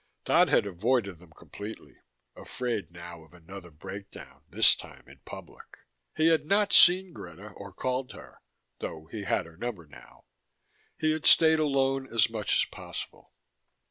Dodd had avoided them completely, afraid now of another breakdown, this time in public. He had not seen Greta or called her (though he had her number now): he had stayed alone as much as possible.